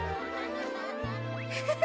フフフ。